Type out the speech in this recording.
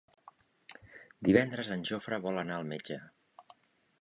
Divendres en Jofre vol anar al metge.